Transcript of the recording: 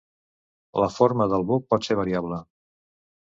La forma del buc pot ser variable.